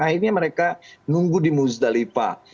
akhirnya mereka menunggu di bustalifah